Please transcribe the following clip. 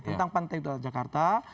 tentang pantai utara jakarta